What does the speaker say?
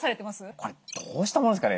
これどうしたものですかね。